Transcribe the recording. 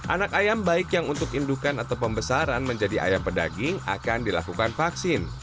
anak ayam baik yang untuk indukan atau pembesaran menjadi ayam pedaging akan dilakukan vaksin